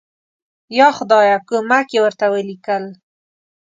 یا خدایه کومک یې ورته ولیکل.